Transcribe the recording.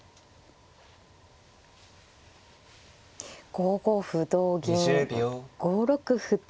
５五歩同銀５六歩と。